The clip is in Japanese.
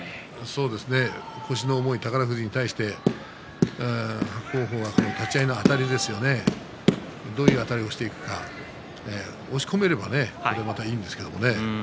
そうですね腰の重い宝富士に対して伯桜鵬が立ち合いのあたりですよねどういうあたりをしていくか押し込めればねまたいいですけれどもね。